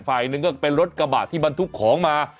ฝ่ายหนึ่งก็เป็นรถกระบาดที่มันทุกของมา